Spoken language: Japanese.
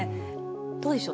どうでしょう。